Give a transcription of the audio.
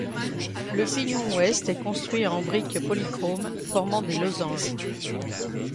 Le pignon ouest est construit en briques polychromes formant des losanges.